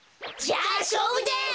じゃあしょうぶです！